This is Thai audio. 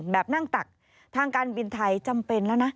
นั่งตักทางการบินไทยจำเป็นแล้วนะ